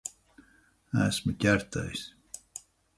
Esmu ķertais.